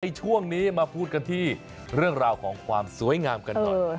ช่วงนี้มาพูดกันที่เรื่องราวของความสวยงามกันหน่อย